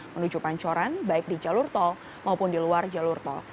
menuju pancoran baik di jalur tol maupun di luar jalur tol